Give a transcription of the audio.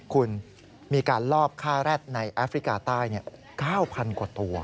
คุณมีการลอบฆ่าแร็ดในแอฟริกาใต้๙๐๐กว่าตัว